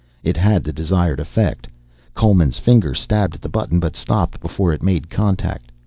It had the desired effect, Coleman's finger stabbed at the button but stopped before it made contact.